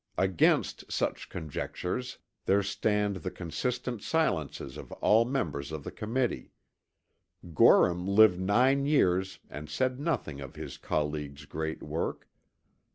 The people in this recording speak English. Against such conjectures, there stand the consistent silences of all the members of the Committee. Gorham lived nine years and said nothing of his colleague's great work.